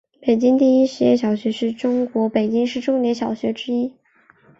北京第一实验小学是中国北京市重点小学之一。